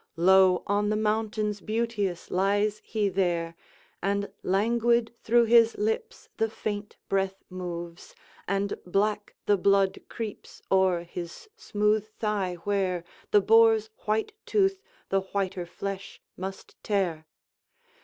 Low on the mountains beauteous lies he there, And languid through his lips the faint breath moves, And black the blood creeps o'er his smooth thigh, where The boar's white tooth the whiter flesh must tear.